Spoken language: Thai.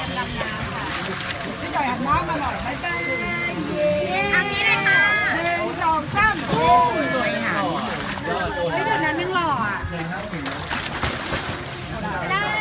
น้องวิวมาทำงานหรอที่นอนอยู่อีกคุณหนึ่ง